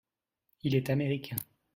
Il est américain.